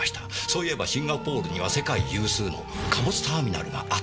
そういえばシンガポールには世界有数の貨物ターミナルがあったはずだなと。